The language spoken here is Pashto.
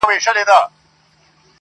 په کور کلي کي اوس ګډه واویلا وه٫